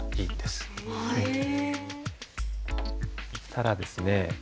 そしたらですね